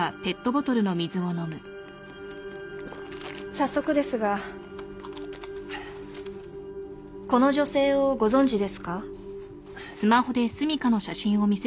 早速ですがこの女性をご存じですか？